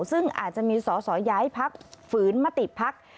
ซึ่งอาจจะมีสอสอย้ายพักฝืนมติภักดิ์